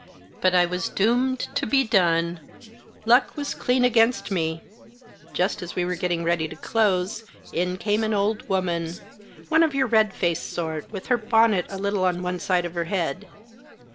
But I was doomed to be done. Luck was clean against me. Just as we were getting ready to close in came an old woman — one of your red faced sort, with her bonnet a little on one side of her head.